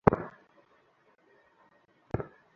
Nigel, এখন শুধু দেখে যাও।